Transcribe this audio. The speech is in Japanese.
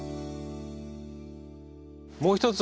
もう一つ